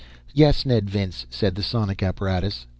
"Yes, Ned Vince," said the sonic apparatus.